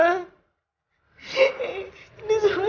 rini semua salah aku ma